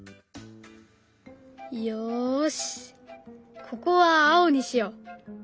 よしここは青にしよう。